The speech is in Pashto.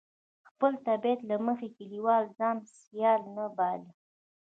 د خپل طبیعت له مخې یې کلیوال د ځان سیال نه باله.